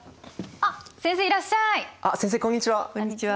あっ先生こんにちは！